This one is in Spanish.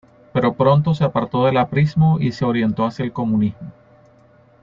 Pero pronto se apartó del aprismo y se orientó hacia el comunismo.